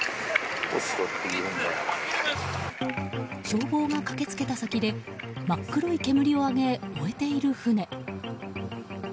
消防が駆け付けた先で真っ黒い煙を上げ、燃えている船。